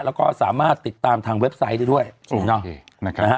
แล้วก็สามารถติดตามทางเว็บไซต์ได้ด้วยนะฮะ